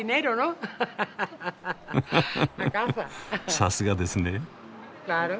「さすが」ですね！